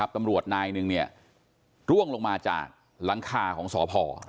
ตำรวจนายหนึ่งร่วงลงมาจากหลังคาของสพ